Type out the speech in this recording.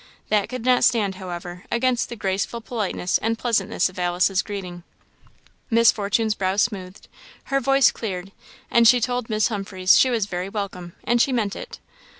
That could not stand, however, against the graceful politeness and pleasantness of Alice's greeting. Miss Fortune's brow smoothed, her voice cleared, she told Miss Humphreys she was very welcome and she meant it.